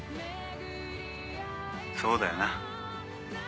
そうだよな。